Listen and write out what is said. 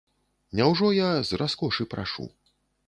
Няўжо я з раскошы прашу?